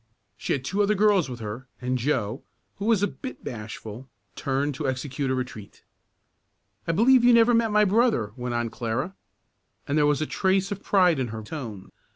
She had two other girls with her and Joe, who was a bit bashful, turned to execute a retreat. "I believe you never met my brother," went on Clara, and there was a trace of pride in her tone.